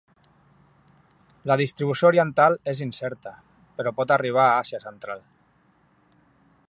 La distribució oriental és incerta, però pot arribar a Àsia central.